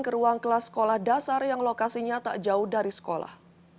ke ruang kelas sekolah dasar yang lokasinya tak jauh dari sekolah